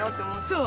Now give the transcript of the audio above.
そう！